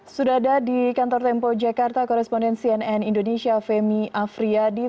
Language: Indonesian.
sudah ada di kantor tempo jakarta koresponden cnn indonesia femi afriyadi